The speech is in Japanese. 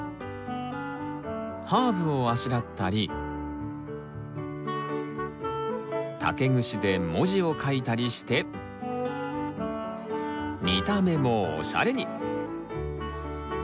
ハーブをあしらったり竹串で文字を書いたりして見た目もおしゃれに！